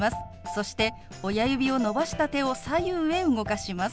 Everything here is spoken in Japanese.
そして親指を伸ばした手を左右へ動かします。